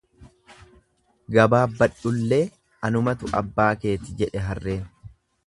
Gababbadhullee anumatu abbaa keeti jedhe harreen.